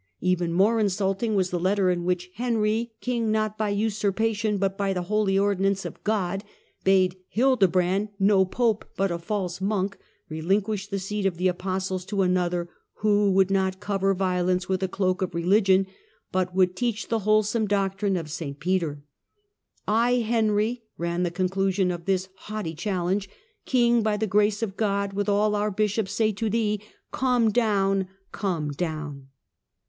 Even more insult ing was the letter in which " Henry, king not by usurpa tion, but by the holy ordinance of God," bade " Hildebrand, no Pope, but a false monk," relinquish the seat of the Apostles to another, who would not cover violence with a cloak of religion, but would teach the wholesome doctrine of St Peter. " I, Henry," ran the conclusion of this haughty challenge, " king by the grace of God, with all our bishops, say to thee, 'Come down, come down.'"